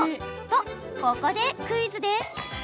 と、ここでクイズです。